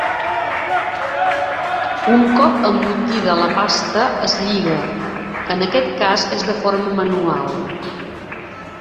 Un cop embotida la pasta es lliga, que en aquest cas és de forma manual.